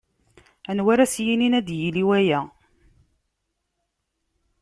Anwa ara as-yinin ad d-yili waya.